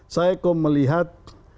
saya kok melihat